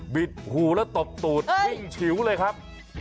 บิดหูและตบตูดวิ่งฉิ๋วเลยครับ